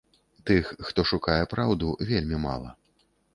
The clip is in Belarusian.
Тых, хто шукае праўду, вельмі мала.